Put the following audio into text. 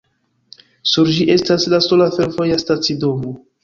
Sur ĝi estas la sola fervoja stacidomo.